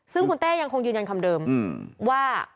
ซึ่งคุณเต้ยังคงยืนยันคำเดิมว่า